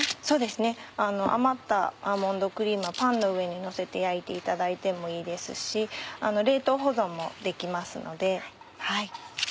そうですね余ったアーモンドクリームはパンの上にのせて焼いていただいてもいいですし冷凍保存もできますので。